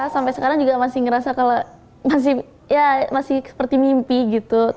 sampai sekarang juga masih ngerasa kalau masih ya masih seperti mimpi gitu